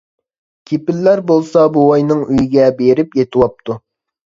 كېپىللەر بولسا بوۋاينىڭ ئۆيىگە بېرىپ يېتىۋاپتۇ.